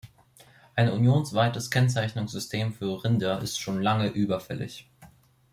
Ein unionsweites Kennzeichnungssystem für Rinder ist schon lange überfällig.